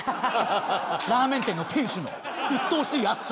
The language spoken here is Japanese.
ラーメン店の店主のうっとうしい熱さ。